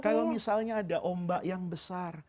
kalau misalnya ada ombak yang besar